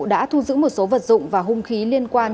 đã thu giữ một số vật dụng và hung khí liên quan